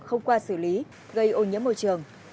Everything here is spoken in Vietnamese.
không qua xử lý gây ô nhiễm môi trường